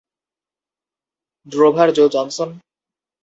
Drover Joe Johnson?